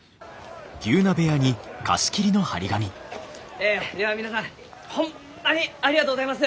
えでは皆さんホンマにありがとうございます！